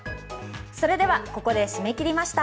それではここで締め切りました。